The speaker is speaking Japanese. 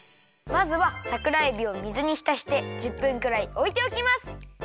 まずはさくらえびを水にひたして１０分くらいおいておきます。